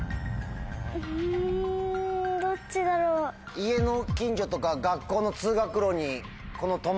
家の近所とか学校の通学路に。